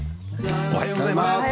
おはようございます。